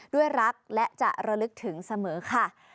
ด้วยรักและจะระลึกถึงเสมอค่ะ